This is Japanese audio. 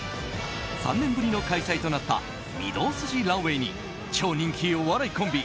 ３年ぶりの開催となった御堂筋ランウェイに超人気お笑いコンビ